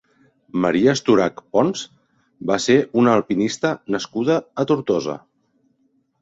Maria Estorach Pons va ser una alpinista nascuda a Tortosa.